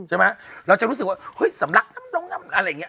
ใช่ไหมเราจะรู้สึกว่าเฮ้ยสำลักน้ำลงน้ำอะไรอย่างนี้